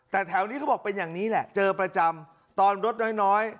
แต่แถวนี้เขาบอกเป็นอย่างนี้แหละเจอประจำตอนรถน้อย